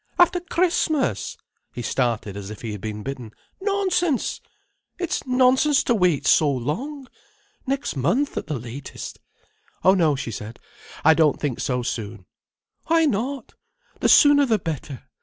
"After Christmas!" he started as if he had been bitten. "Nonsense! It's nonsense to wait so long. Next month, at the latest." "Oh no," she said. "I don't think so soon." "Why not? The sooner the better.